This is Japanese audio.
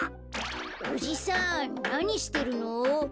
おじさんなにしてるの？